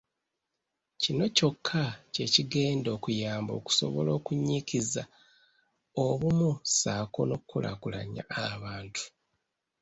Kino kyokka kye kigenda okuyamba okusobola okunnyikiza obumu ssaako n’okukulaakulanya abantu.